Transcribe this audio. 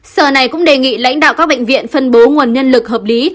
sở này cũng đề nghị lãnh đạo các bệnh viện phân bố nguồn nhân lực hợp lý